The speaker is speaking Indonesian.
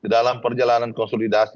dalam perjalanan konsolidasi